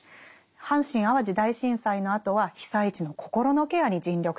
阪神・淡路大震災のあとは被災地の「心のケア」に尽力しました。